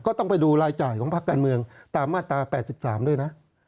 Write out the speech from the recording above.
ก็ต้องไปดูรายจ่ายของพักการเมืองตามมาตรา๘๓ด้วยนะ